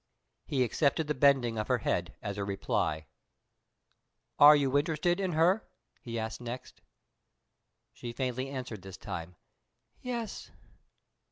He accepted the bending of her head as a reply. "Are you interested in her?" he asked next. She faintly answered this time. "Yes."